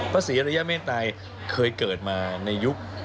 ศรีอริยเมตัยเคยเกิดมาในยุค